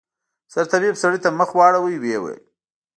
سرطبيب سړي ته مخ واړاوه ويې ويل.